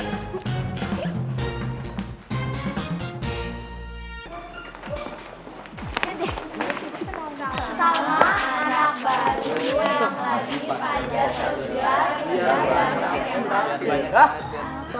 salam anak baru yang lagi panjat sejujurnya bisa mengambil kekasih